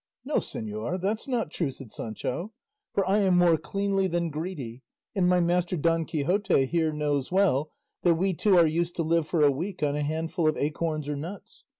"No, señor, that's not true," said Sancho, "for I am more cleanly than greedy, and my master Don Quixote here knows well that we two are used to live for a week on a handful of acorns or nuts.